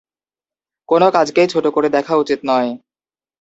কোনো কাজকেই ছোট করে দেখা উচিত নয়।